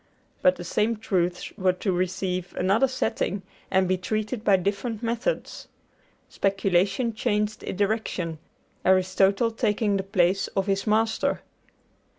But the same truths were to receive another setting and be treated by different methods. Speculation changed its direction, Aristotle taking the place of his master.